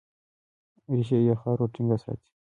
ریښې یې خاوره ټینګه ساتي.